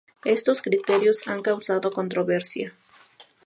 Estos criterios han causado controversia.